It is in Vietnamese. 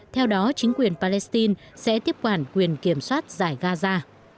theo đó chính quyền palestine sẽ tiếp quản quyền kiểm soát giải gaza